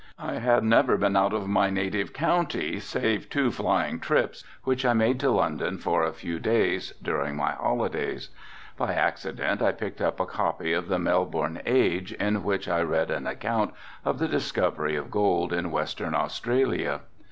I had never been out of my native county save two flying trips which I made to London for a few days during my holidays. By accident I picked up a copy of the Melbourne Age in which I read an account of the discovery of gold in Western Australia.